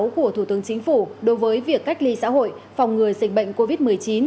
của thủ tướng chính phủ đối với việc cách ly xã hội phòng ngừa dịch bệnh covid một mươi chín